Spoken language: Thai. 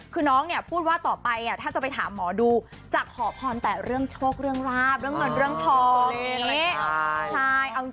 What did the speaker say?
คือน้องเนี่ยพูดว่าต่อไปถ้าจะไปถามหมอดูจะขอพรแต่เรื่องโชคเรื่องราบเรื่องเงินเรื่องทอง